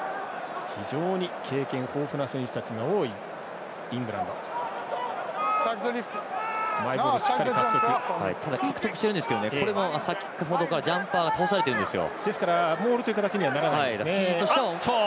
非常に経験豊富な選手たちが多いマイボール獲得してるんですけどこれも先ほどからジャンパー倒されてるんですよ。